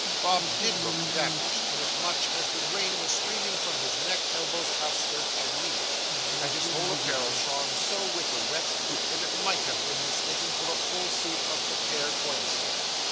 Bob did look dampish, inasmuch as the rain was streaming from his neck, elbows, cuffs, skirts, and knees; and his whole apparel shone so with the wet, that it might have been mistaken for a full suit of prepared oilskin.